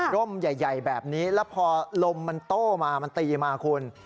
ร่มใหญ่แบบนี้แล้วพอลมมันโต้มามันตีมาคุณ